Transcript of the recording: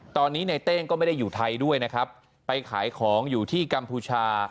ตอนนี้ในเต้งก็ไม่ได้อยู่ไทยด้วยนะครับไปขายของอยู่ที่กัมพูชา